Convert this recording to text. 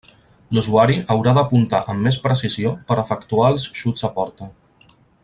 L'usuari haurà d'apuntar amb més precisió per efectuar els xuts a porta.